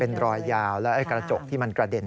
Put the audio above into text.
เป็นรอยยาวแล้วไอ้กระจกที่มันกระเด็น